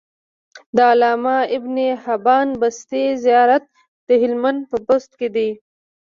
د علامه ابن حبان بستي زيارت د هلمند په بست کی